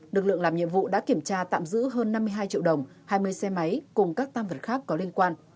lực lượng làm nhiệm vụ đã kiểm tra tạm giữ hơn năm mươi hai triệu đồng hai mươi xe máy cùng các tam vật khác có liên quan